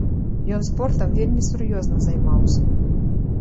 Ён спортам вельмі сур'ёзна займаўся.